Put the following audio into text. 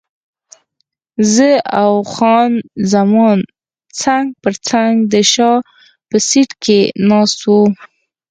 زه او خان زمان څنګ پر څنګ د شا په سیټ کې ناست وو.